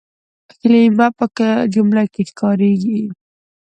کلیمه په جمله کښي کارېږي.